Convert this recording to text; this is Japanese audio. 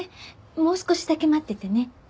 もう少しだけ待っててね。